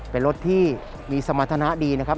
เป็นรถที่มีสมรรถนะดีนะครับ